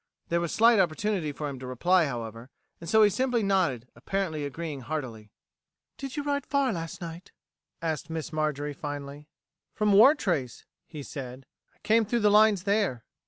There was slight opportunity for him to reply, however, and so he simply nodded, apparently agreeing heartily. "Did you ride far last night?" asked Miss Marjorie finally. "From Wartrace," he said. "I came through the lines there."